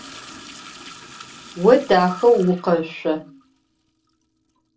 Vo daxeu vukheşso.